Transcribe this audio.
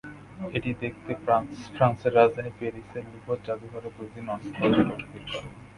এটি দেখতে ফ্রান্সের রাজধানী প্যারিসের ল্যুভর জাদুঘরে প্রতিদিন অনেক পর্যটক ভিড় করেন।